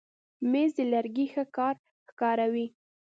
مېز د لرګي ښه کار ښکاروي.